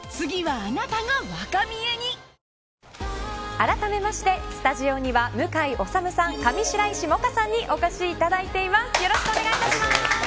あらためましてスタジオには向井理さん上白石萌歌さんにお越しいただいています。